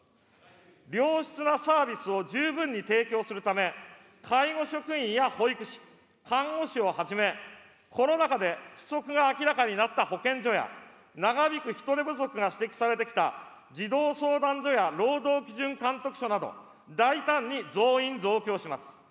良質なサービスを十分に提供するため、介護職員や保育士、看護師をはじめ、コロナ禍で不足が明らかになった保健所や、長引く人手不足が指摘されてきた児童相談所や労働基準監督署など、大胆に増員・増強します。